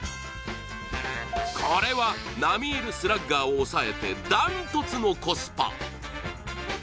これは並みいるスラッガーを抑えて断トツのコスパ。